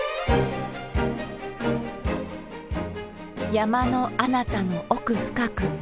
山のあなたの奥深く。